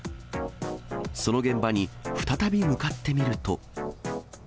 その現場に、再び向かってみると。